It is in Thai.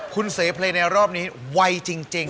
คุณเสเพลงในรอบนี้ไวจริง